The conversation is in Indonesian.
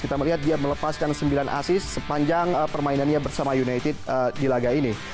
kita melihat dia melepaskan sembilan asis sepanjang permainannya bersama united di laga ini